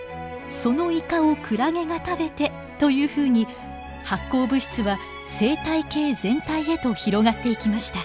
そのイカをクラゲが食べてというふうに発光物質は生態系全体へと広がっていきました。